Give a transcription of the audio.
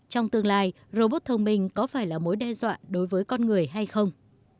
trong tương lai robot thông minh có phải là mối đe dọa đối với con người hay không